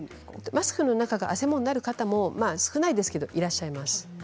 マスクの中が、あせもになることは少ないですがいらっしゃいます。